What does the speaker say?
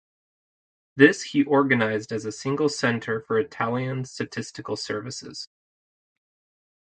This he organised as a single centre for Italian statistical services.